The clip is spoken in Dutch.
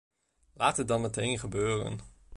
Laat het dan meteen gebeuren.